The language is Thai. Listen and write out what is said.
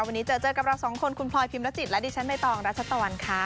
วันนี้เจอเจอกับเราสองคนคุณพลอยพิมรจิตและดิฉันใบตองรัชตะวันค่ะ